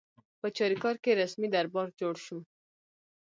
په چاریکار کې رسمي دربار جوړ شو.